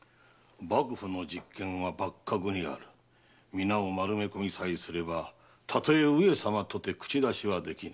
みなを丸め込みさえすればたとえ上様とて口出しはできぬ。